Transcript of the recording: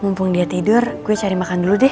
mumpung dia tidur gue cari makan dulu deh